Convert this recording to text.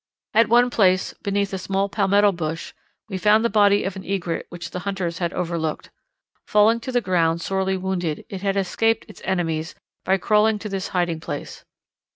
At one place, beneath a small palmetto bush, we found the body of an Egret which the hunters had overlooked. Falling to the ground sorely wounded, it had escaped its enemies by crawling to this hiding place.